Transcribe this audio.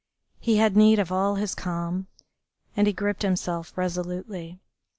He had need of all his calm, and he gripped himself resolutely.